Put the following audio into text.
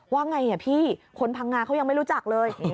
ว่าไงพี่คนพังงาเขายังไม่รู้จักเลย